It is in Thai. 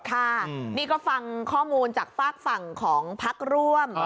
ค่ะนี่ก็ฟังข้อมูลจากฝากฝั่งของพักร่วม